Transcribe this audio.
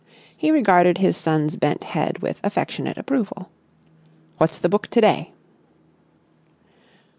He regarded his son's bent head with affectionate approval. "What's the book to day?"